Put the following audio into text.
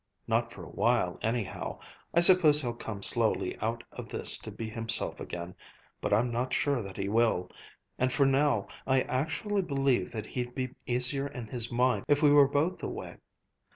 Not for a while, anyhow. I suppose he'll come slowly out of this to be himself again ... but I'm not sure that he will. And for now, I actually believe that he'd be easier in his mind if we were both away.